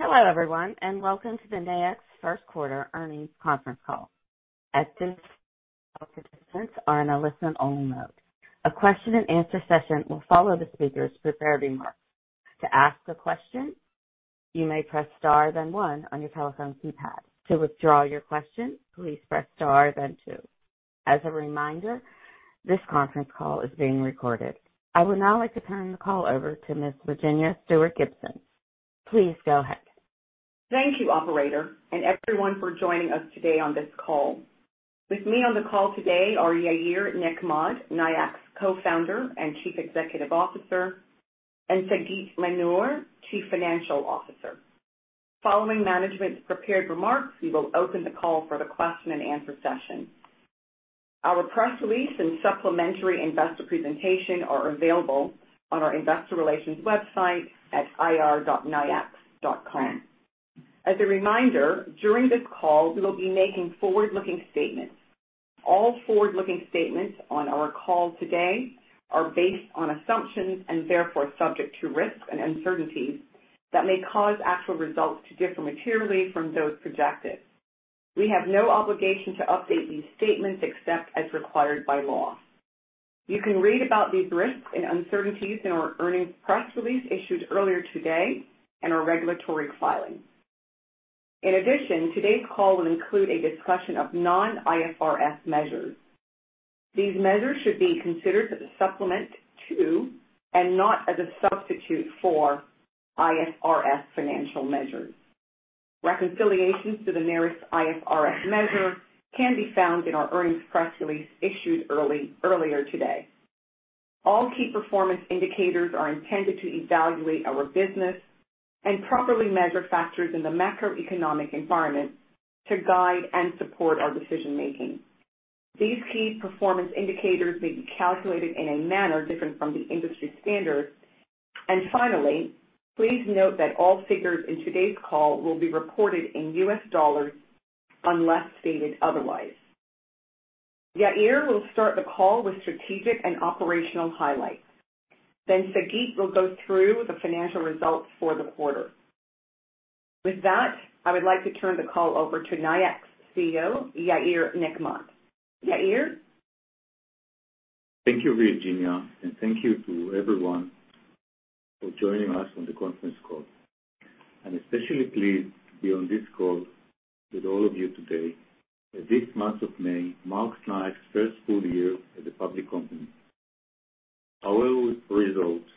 Hello, everyone, and welcome to the Nayax Q1 Earnings Conference Call. At this time, all participants are in a listen-only mode. A question-and-answer session will follow the speakers' prepared remarks. To ask a question, you may press Star, then one on your telephone keypad. To withdraw your question, please press Star, then two. As a reminder, this conference call is being recorded. I would now like to turn the call over to Ms. Virginia Stewart Gibson. Please go ahead. Thank you, operator, and everyone for joining us today on this call. With me on the call today are Yair Nechmad, Nayax Co-founder and Chief Executive Officer, and Sagit Manor, Chief Financial Officer. Following management's prepared remarks, we will open the call for the question-and-answer session. Our press release and supplementary investor presentation are available on our investor relations website at ir.nayax.com. As a reminder, during this call, we will be making forward-looking statements. All forward-looking statements on our call today are based on assumptions and therefore subject to risks and uncertainties that may cause actual results to differ materially from those projected. We have no obligation to update these statements except as required by law. You can read about these risks and uncertainties in our earnings press release issued earlier today and our regulatory filings. In addition, today's call will include a discussion of non-IFRS measures. These measures should be considered as a supplement to and not as a substitute for IFRS financial measures. Reconciliations to the nearest IFRS measure can be found in our earnings press release issued earlier today. All key performance indicators are intended to evaluate our business and properly measure factors in the macroeconomic environment to guide and support our decision-making. These key performance indicators may be calculated in a manner different from the industry standard. Finally, please note that all figures in today's call will be reported in U.S. dollars unless stated otherwise. Yair will start the call with strategic and operational highlights. Then Sagit will go through the financial results for the quarter. With that, I would like to turn the call over to Nayax CEO, Yair Nechmad. Yair. Thank you, Virginia, and thank you to everyone for joining us on the conference call. I'm especially pleased to be on this call with all of you today, as this month of May marks Nayax's first full year as a public company. Our results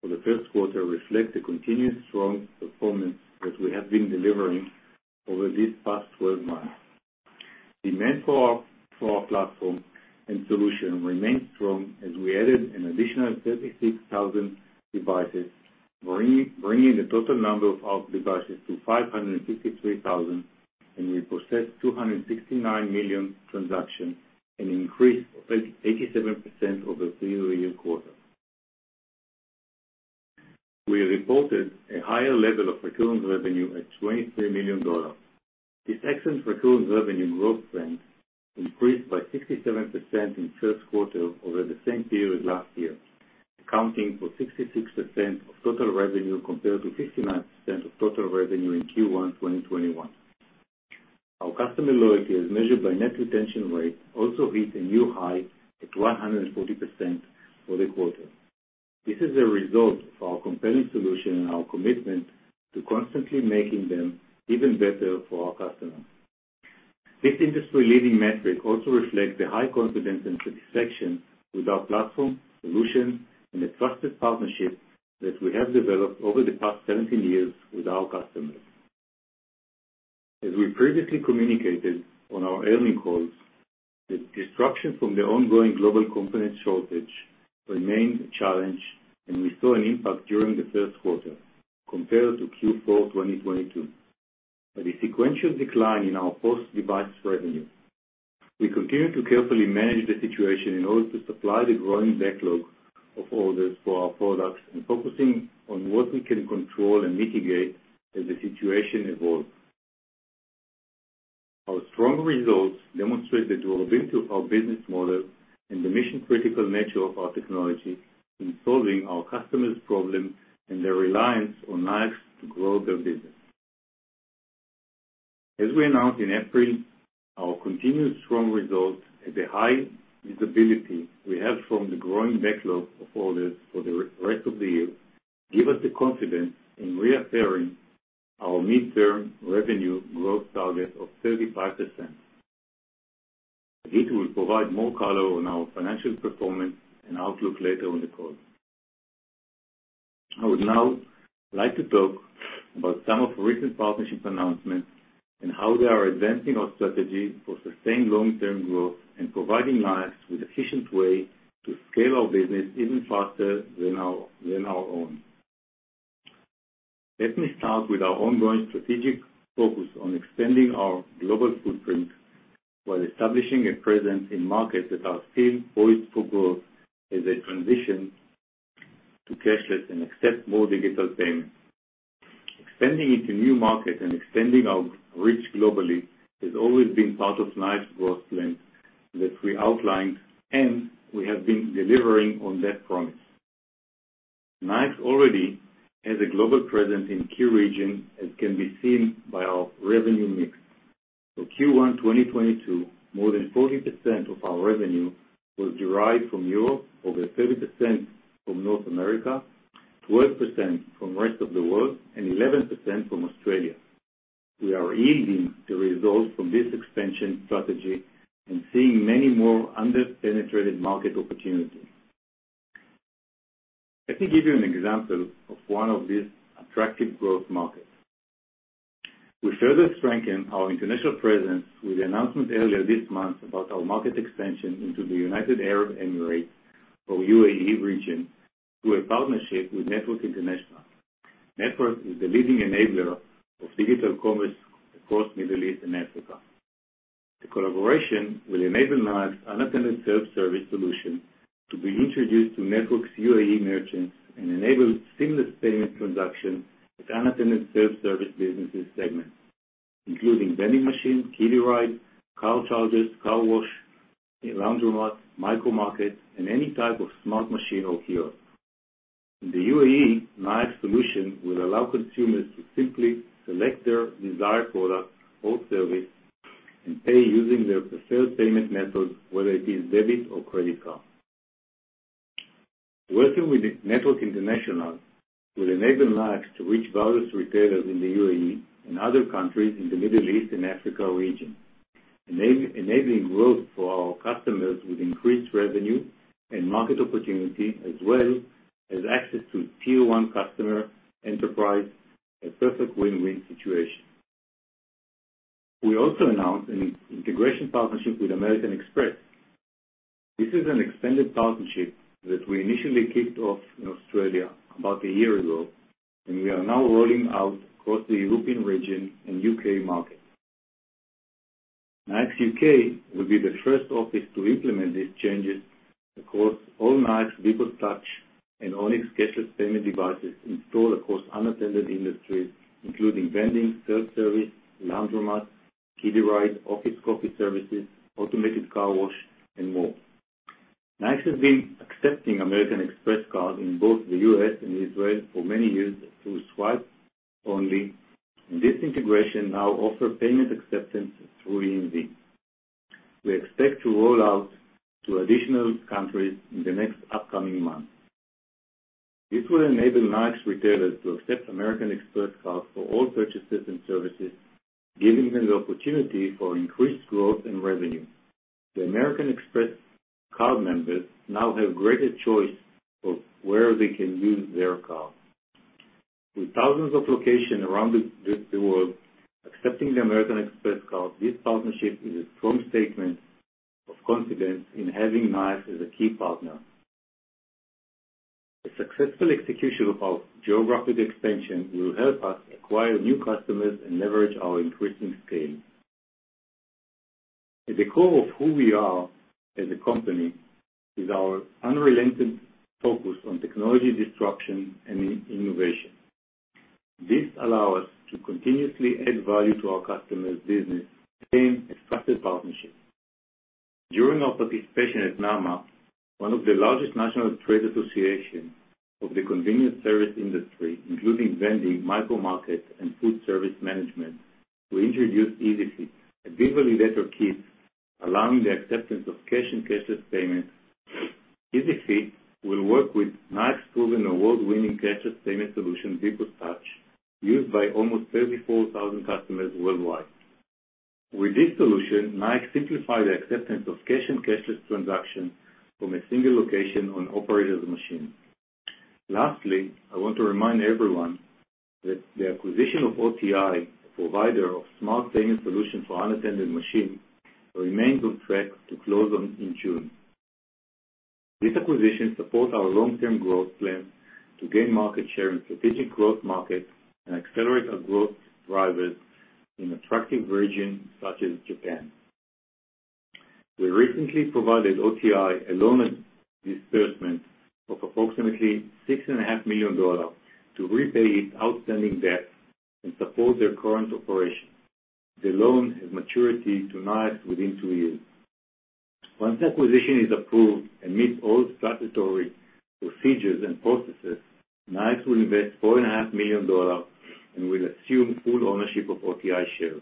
for the Q1 reflect the continuous strong performance that we have been delivering over these past 12 months. Demand for our platform and solution remained strong as we added an additional 36,000 devices, bringing the total number of our devices to 553,000, and we processed 269 million transactions, an increase of 87% over the previous quarter. We reported a higher level of recurring revenue at $23 million. This excellent recurring revenue growth trend increased by 67% in Q1 over the same period last year, accounting for 66% of total revenue compared to 59% of total revenue in Q1 2021. Our customer loyalty, as measured by net retention rate, also hit a new high at 140% for the quarter. This is a result of our compelling solution and our commitment to constantly making them even better for our customers. This industry-leading metric also reflects the high confidence and satisfaction with our platform, solution, and the trusted partnership that we have developed over the past 17 years with our customers. As we previously communicated on our earnings calls, the disruption from the ongoing global component shortage remained a challenge, and we saw an impact during the Q1 compared to Q4 2022. Despite a sequential decline in our host device revenue, we continue to carefully manage the situation in order to supply the growing backlog of orders for our products and focusing on what we can control and mitigate as the situation evolves. Our strong results demonstrate the durability of our business model and the mission-critical nature of our technology in solving our customers' problems and their reliance on Nayax to grow their business. As we announced in April, our continued strong results and the high visibility we have from the growing backlog of orders for the rest of the year give us the confidence in reaffirming our midterm revenue growth target of 35%. Sagit will provide more color on our financial performance and outlook later in the call. I would now like to talk about some of our recent partnership announcements and how they are advancing our strategy for sustained long-term growth and providing Nayax with efficient way to scale our business even faster than our own. Let me start with our ongoing strategic focus on expanding our global footprint while establishing a presence in markets that are still poised for growth as they transition to cashless and accept more digital payment. Expanding into new markets and extending our reach globally has always been part of Nayax's growth plan that we outlined, and we have been delivering on that promise. Nayax already has a global presence in key regions, as can be seen by our revenue mix. For Q1 2022, more than 40% of our revenue was derived from Europe, over 30% from North America, 12% from rest of the world, and 11% from Australia. We are yielding the results from this expansion strategy and seeing many more under-penetrated market opportunities. Let me give you an example of one of these attractive growth markets. We further strengthen our international presence with the announcement earlier this month about our market expansion into the United Arab Emirates or UAE region, through a partnership with Network International. Network is the leading enabler of digital commerce across Middle East and Africa. The collaboration will enable Nayax's unattended self-service solution to be introduced to Network's UAE merchants and enable seamless payment transactions with unattended self-service business segments, including vending machines, kiddie rides, car chargers, car wash, laundromats, micro markets, and any type of smart machine or kiosk. In the UAE, Nayax solution will allow consumers to simply select their desired product or service and pay using their preferred payment method, whether it is debit or credit card. Working with Network International will enable Nayax to reach various retailers in the UAE and other countries in the Middle East and Africa region, enabling growth for our customers with increased revenue and market opportunity, as well as access to tier one customer enterprise, a perfect win-win situation. We also announced an integration partnership with American Express. This is an extended partnership that we initially kicked off in Australia about a year ago, and we are now rolling out across the European region and U.K. market. Nayax U.K. will be the first office to implement these changes across all Nayax VPOS Touch and ONYX cashless payment devices installed across unattended industries, including vending, self-service, laundromats, kiddie rides, office coffee services, automated car wash, and more. Nayax has been accepting American Express cards in both the U.S. and Israel for many years through swipe only, and this integration now offers payment acceptance through EMV. We expect to roll out to additional countries in the next upcoming months. This will enable Nayax retailers to accept American Express cards for all purchases and services, giving them the opportunity for increased growth and revenue. The American Express card members now have greater choice of where they can use their card. With thousands of locations around the world accepting the American Express card, this partnership is a strong statement of confidence in having Nayax as a key partner. A successful execution of our geographic expansion will help us acquire new customers and leverage our increasing scale. At the core of who we are as a company is our unrelenting focus on technology disruption and innovation. This allow us to continuously add value to our customers' business and strengthen partnerships. During our participation at NAMA, one of the largest national trade associations of the convenience service industry, including vending, micro markets, and food service management, we introduced EasiFit, a visually better kit allowing the acceptance of cash and cashless payments. EasiFit will work with Nayax proven award-winning cashless payment solution VPOS Touch, used by almost 34,000 customers worldwide. With this solution, Nayax simplify the acceptance of cash and cashless transactions from a single location on operators' machine. Lastly, I want to remind everyone that the acquisition of OTI, a provider of smart payment solutions for unattended machines, remains on track to close in June. This acquisition supports our long-term growth plan to gain market share in strategic growth markets and accelerate our growth drivers in attractive regions such as Japan. We recently provided OTI a loan disbursement of approximately $6.5 million to repay its outstanding debt and support their current operations. The loan has maturity to Nayax within two years. Once the acquisition is approved and meets all statutory procedures and processes, Nayax will invest $4.5 million and will assume full ownership of OTI shares.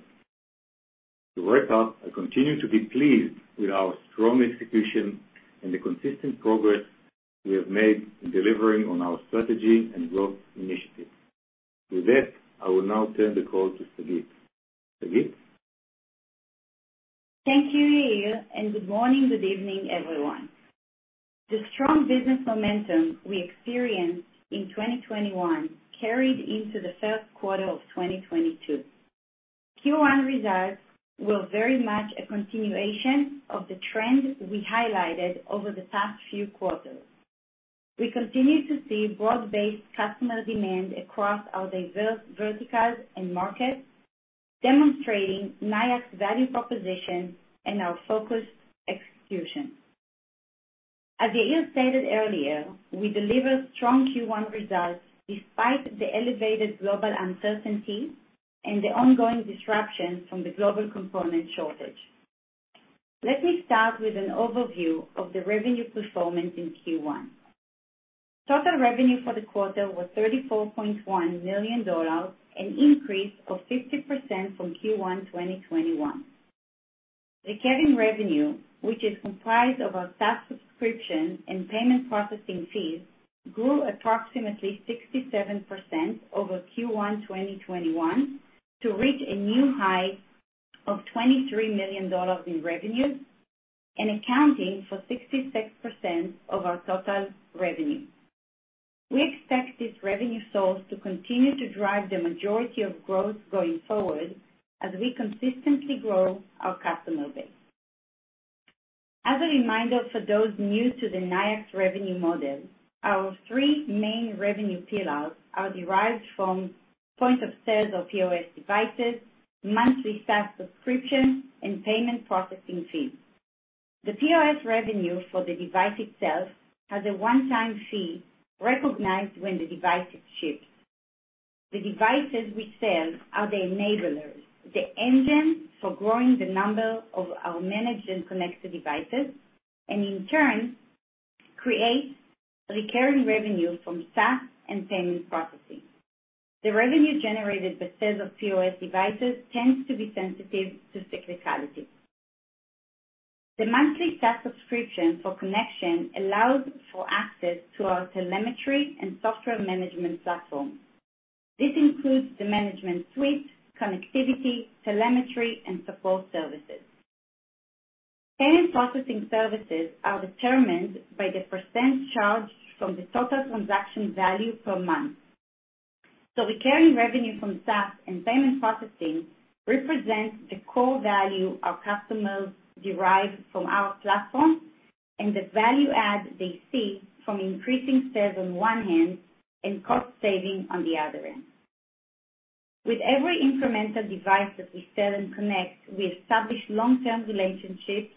To wrap up, I continue to be pleased with our strong execution and the consistent progress we have made in delivering on our strategy and growth initiatives. With that, I will now turn the call to Sagit. Sagit? Thank you, Yair, and good morning, good evening, everyone. The strong business momentum we experienced in 2021 carried into the Q1 of 2022. Q1 results were very much a continuation of the trend we highlighted over the past few quarters. We continue to see broad-based customer demand across our diverse verticals and markets, demonstrating Nayax value proposition and our focused execution. As Yair stated earlier, we delivered strong Q1 results despite the elevated global uncertainty and the ongoing disruptions from the global component shortage. Let me start with an overview of the revenue performance in Q1. Total revenue for the quarter was $34.1 million, an increase of 50% from Q1 2021. The carrying revenue, which is comprised of our SaaS subscription and payment processing fees, grew approximately 67% over Q1 2021 to reach a new high of $23 million in revenues and accounting for 66% of our total revenue. We expect this revenue source to continue to drive the majority of growth going forward as we consistently grow our customer base. As a reminder for those new to the Nayax revenue model, our three main revenue pillars are derived from point of sales or POS devices, monthly SaaS subscription, and payment processing fees. The POS revenue for the device itself has a one-time fee recognized when the device is shipped. The devices we sell are the enablers, the engine for growing the number of our managed and connected devices, and in turn creates recurring revenue from SaaS and payment processing. The revenue generated by sales of POS devices tends to be sensitive to cyclicality. The monthly SaaS subscription for connection allows for access to our telemetry and software management platform. This includes the management suite, connectivity, telemetry, and support services. Payment processing services are determined by the percent charged from the total transaction value per month. Recurring revenue from SaaS and payment processing represents the core value our customers derive from our platform and the value add they see from increasing sales on one hand and cost saving on the other end. With every incremental device that we sell and connect, we establish long-term relationships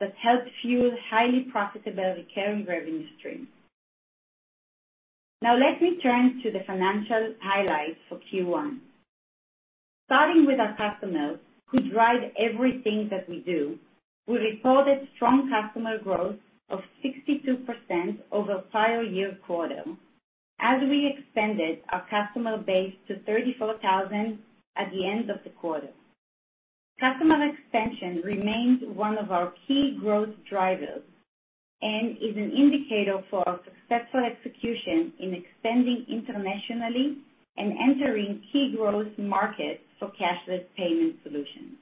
that help fuel highly profitable recurring revenue stream. Now, let me turn to the financial highlights for Q1. Starting with our customers who drive everything that we do, we reported strong customer growth of 62% over prior year quarter as we expanded our customer base to 34,000 at the end of the quarter. Customer expansion remains one of our key growth drivers and is an indicator for our successful execution in expanding internationally and entering key growth markets for cashless payment solutions.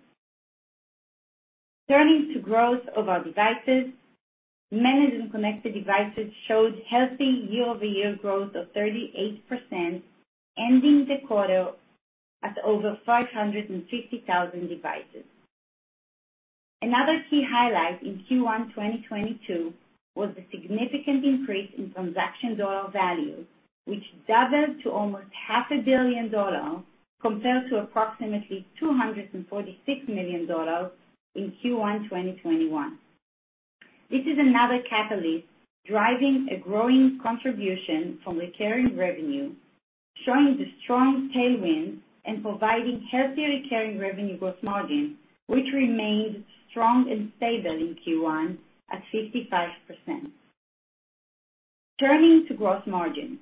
Turning to growth of our devices, managed and connected devices showed healthy year-over-year growth of 38%, ending the quarter at over 550,000 devices. Another key highlight in Q1 2022 was the significant increase in transaction dollar value, which doubled to almost half a billion dollars compared to approximately $246 million in Q1 2021. This is another catalyst driving a growing contribution from recurring revenue, showing the strong tailwind and providing healthier recurring revenue gross margin, which remained strong and stable in Q1 at 55%. Turning to gross margin.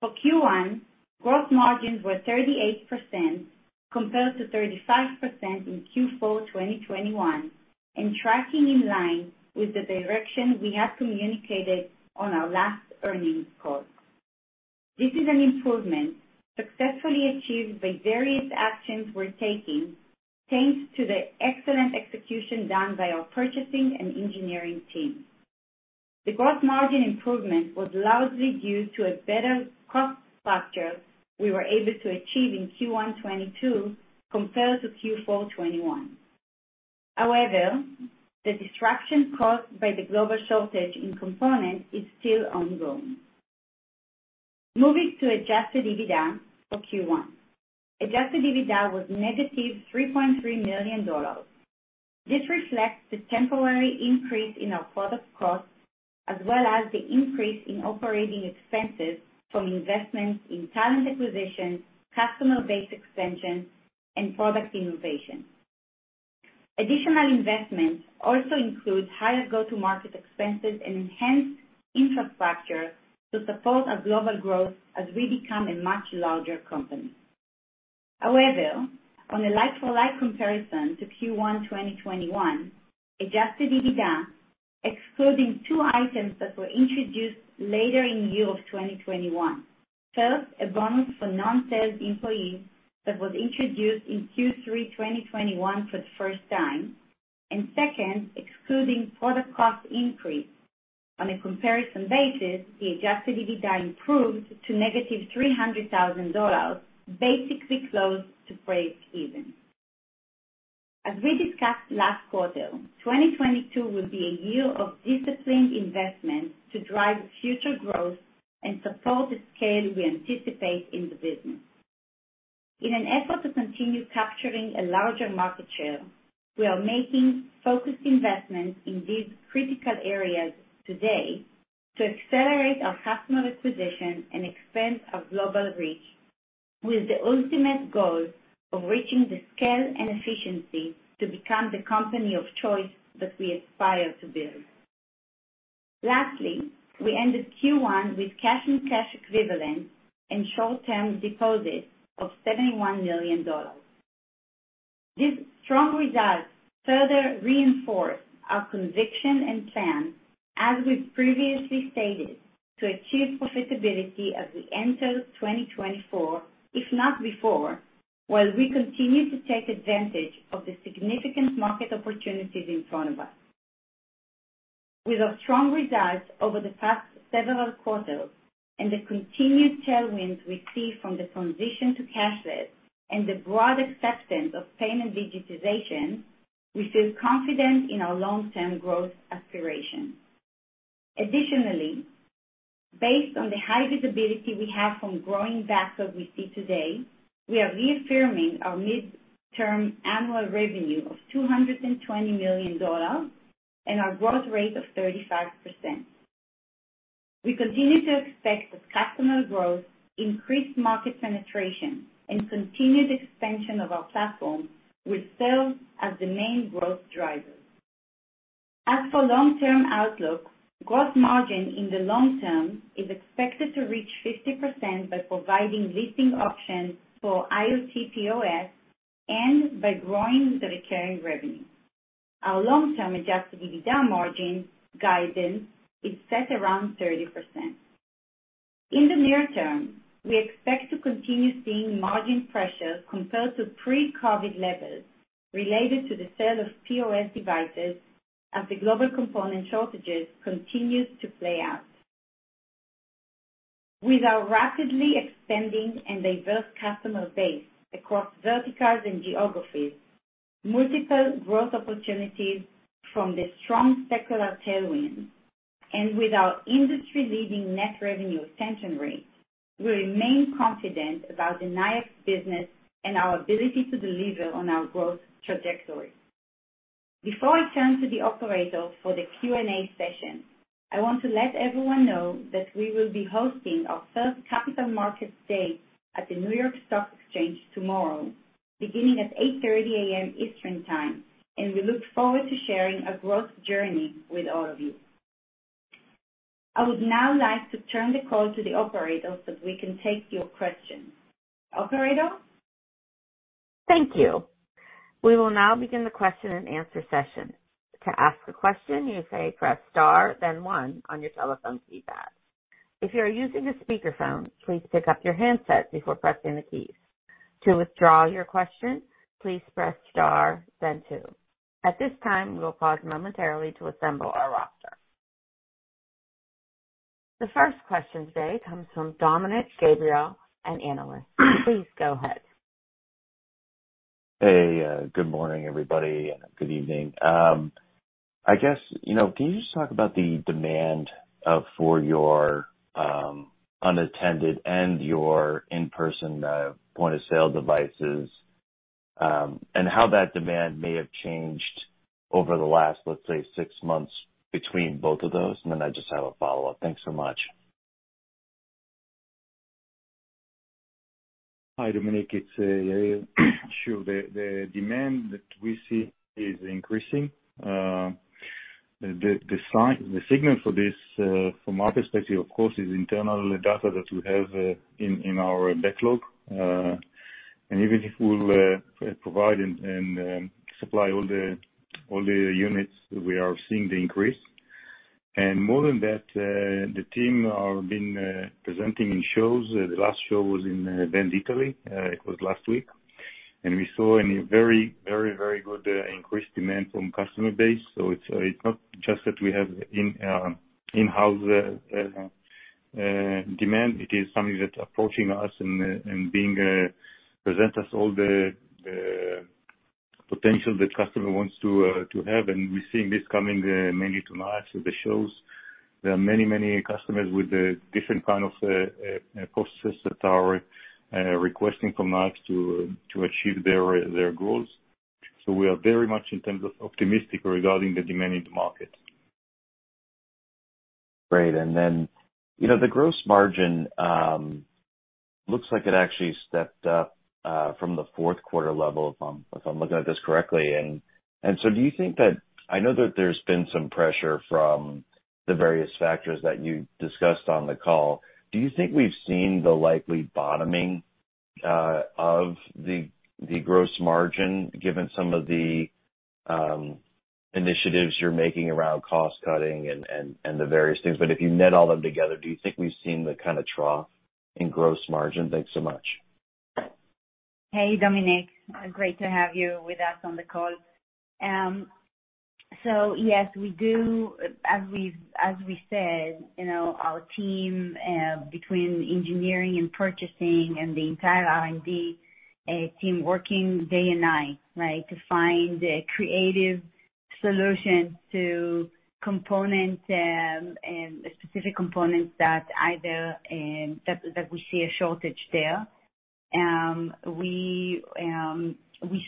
For Q1, gross margins were 38% compared to 35% in Q4 2021, and tracking in line with the direction we have communicated on our last earnings call. This is an improvement successfully achieved by various actions we're taking thanks to the excellent execution done by our purchasing and engineering teams. The gross margin improvement was largely due to a better cost structure we were able to achieve in Q1 2022 compared to Q4 2021. However, the disruption caused by the global shortage in components is still ongoing. Moving to adjusted EBITDA for Q1. Adjusted EBITDA was -$3.3 million. This reflects the temporary increase in our product costs, as well as the increase in operating expenses from investments in talent acquisition, customer base expansion, and product innovation. Additional investments also include higher go-to-market expenses and enhanced infrastructure to support our global growth as we become a much larger company. However, on a like-for-like comparison to Q1 2021, adjusted EBITDA excluding two items that were introduced later in the year of 2021. First, a bonus for non-sales employees that was introduced in Q3 2021 for the first time. Second, excluding product cost increase. On a comparison basis, the adjusted EBITDA improved to -$300,000, basically close to break even. As we discussed last quarter, 2022 will be a year of disciplined investment to drive future growth and support the scale we anticipate in the business. In an effort to continue capturing a larger market share, we are making focused investments in these critical areas today to accelerate our customer acquisition and expand our global reach, with the ultimate goal of reaching the scale and efficiency to become the company of choice that we aspire to build. Lastly, we ended Q1 with cash and cash equivalents and short-term deposits of $71 million. These strong results further reinforce our conviction and plan, as we've previously stated, to achieve profitability as we enter 2024, if not before, while we continue to take advantage of the significant market opportunities in front of us. With our strong results over the past several quarters and the continued tailwinds we see from the transition to cashless and the broad acceptance of payment digitization, we feel confident in our long-term growth aspiration. Additionally, based on the high visibility we have from growing backlog we see today, we are reaffirming our mid-term annual revenue of $220 million and our growth rate of 35%. We continue to expect that customer growth, increased market penetration, and continued expansion of our platform will serve as the main growth drivers. As for long-term outlook, gross margin in the long term is expected to reach 50% by providing leasing options for IoT POS and by growing the recurring revenue. Our long-term adjusted EBITDA margin guidance is set around 30%. In the near term, we expect to continue seeing margin pressures compared to pre-COVID levels related to the sale of POS devices as the global component shortages continue to play out. With our rapidly expanding and diverse customer base across verticals and geographies, multiple growth opportunities from the strong secular tailwind, and with our industry-leading net revenue retention rate, we remain confident about the Nayax business and our ability to deliver on our growth trajectory. Before I turn to the operator for the Q&A session, I want to let everyone know that we will be hosting our first Capital Markets Day at the New York Stock Exchange tomorrow, beginning at 8:30 A.M. Eastern Time, and we look forward to sharing a growth journey with all of you. I would now like to turn the call to the operator, so we can take your questions. Operator? Thank you. We will now begin the question-and-answer session. To ask a question, you may press star, then one on your telephone keypad. If you are using a speakerphone, please pick up your handset before pressing the keys. To withdraw your question, please press star then two. At this time, we will pause momentarily to assemble our roster. The first question today comes from Dominick Gabriele, Analyst. Please go ahead. Hey, good morning, everybody. Good evening. I guess, you know, can you just talk about the demand for your unattended and your in-person point-of-sale devices, and how that demand may have changed over the last, let's say, six months between both of those? I just have a follow-up. Thanks so much. Hi, Dominick. It's Yair. Sure. The demand that we see is increasing. The signal for this, from our perspective, of course, is internal data that we have in our backlog. Even if we'll provide and supply all the units, we are seeing the increase. More than that, the team are been presenting in shows. The last show was in Venditalia, Italy. It was last week. We saw a very good increased demand from customer base. It's not just that we have in-house demand. It is something that approaching us and being present us all the potential that customer wants to have. We're seeing this coming mainly to Nayax, to the shows. There are many, many customers with different kind of processes that are requesting from us to achieve their goals. We are very much in terms of optimistic regarding the demand in the market. Great. Then, you know, the gross margin looks like it actually stepped up from the Q4 level, if I'm looking at this correctly. Do you think that I know that there's been some pressure from the various factors that you discussed on the call. Do you think we've seen the likely bottoming of the gross margin, given some of the initiatives you're making around cost-cutting and the various things? If you net all of them together, do you think we've seen the kinda trough in gross margin? Thanks so much. Hey, Dominick. Great to have you with us on the call. Yes, we do. As we said, you know, our team between engineering and purchasing and the entire R&D team working day and night, right? To find creative solutions to components and specific components that we see a shortage there. We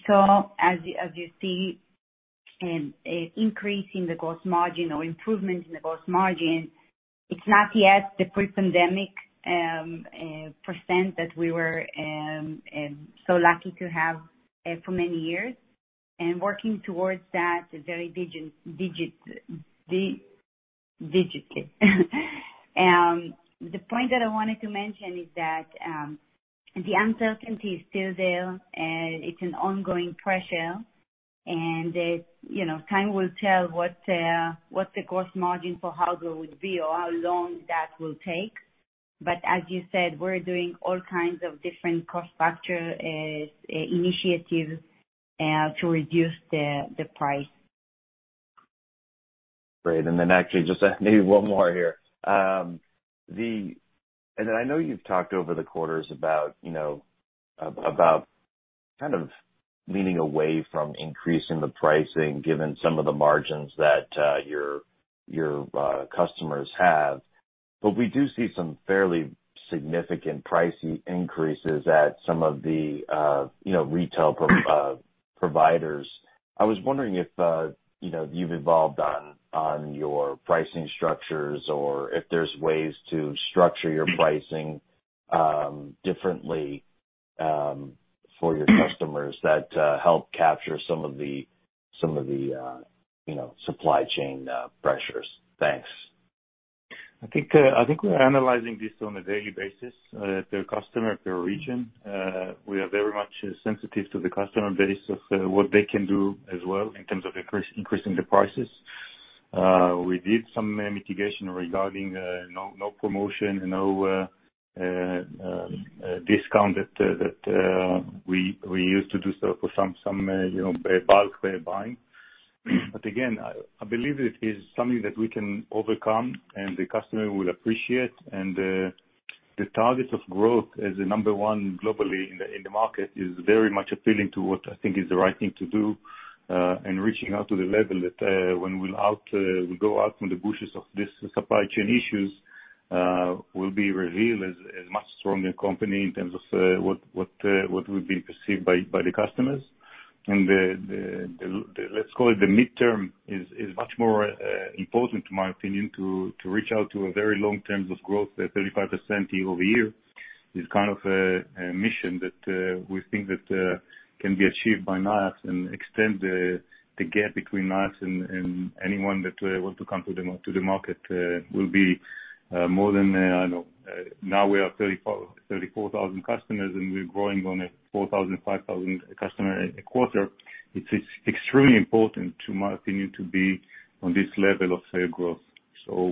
saw, as you see, an increase in the gross margin or improvement in the gross margin. It's not yet the pre-pandemic percent that we were so lucky to have for many years, and working towards that is very difficult. The point that I wanted to mention is that the uncertainty is still there. It's an ongoing pressure, and you know, time will tell what the gross margin for ]uncertain] would be or how long that will take. As you said, we're doing all kinds of different cost factor initiatives to reduce the price. Great. Actually just maybe one more here. I know you've talked over the quarters about, you know, about kind of leaning away from increasing the pricing given some of the margins that your customers have. But we do see some fairly significant pricing increases at some of the, you know, retail providers. I was wondering if, you know, you've evolved on your pricing structures or if there's ways to structure your pricing differently for your customers that help capture some of the, you know, supply chain pressures. Thanks. I think we're analyzing this on a daily basis, per customer, per region. We are very much sensitive to the customer base of what they can do as well in terms of increasing the prices. We did some mitigation regarding no promotion, no discount that we used to do so for some, you know, bulk buying. Again, I believe it is something that we can overcome, and the customer will appreciate. The target of growth as the number one globally in the market is very much appealing to what I think is the right thing to do in reaching out to the level that when we get out of the woods of these supply chain issues we'll be revealed as a much stronger company in terms of what we've been perceived by the customers. Let's call it the midterm is much more important, in my opinion, to reach out to a very long term of growth, the 35% year-over-year is kind of a mission that we think that can be achieved by Nayax and extend the gap between Nayax and anyone that want to come to the market will be more than, I don't know, now we are 34,000 customers, and we're growing on a 4,000-5,000 customer a quarter. It's extremely important, to my opinion, to be on this level of sale growth.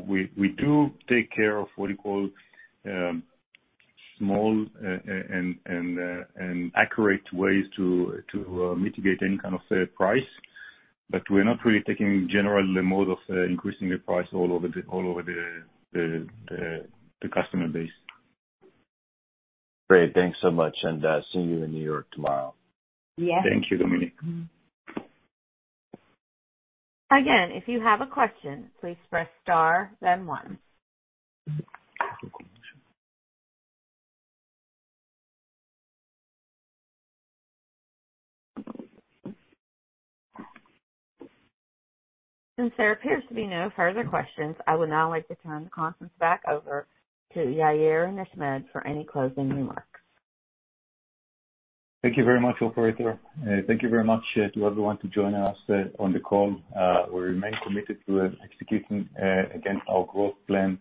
We do take care of what you call small and accurate ways to mitigate any kind of sale price. We're not really taking generally mode of increasing the price all over the customer base. Great. Thanks so much, and see you in New York tomorrow. Yes. Thank you, Dominick. Again, if you have a question, please press star then one. Since there appears to be no further questions, I would now like to turn the conference back over to Yair Nechmad for any closing remarks. Thank you very much, operator. Thank you very much to everyone joining us on the call. We remain committed to executing again our growth plan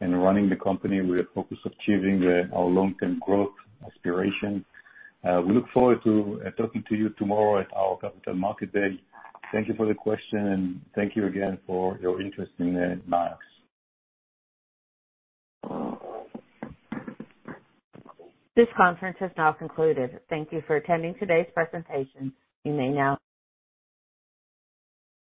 and running the company with a focus on achieving our long-term growth aspiration. We look forward to talking to you tomorrow at our Capital Markets Day. Thank you for the question, and thank you again for your interest in Nayax. This conference has now concluded. Thank you for attending today's presentation. You may now.